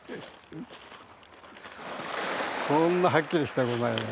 こんなはっきりしたものないよね。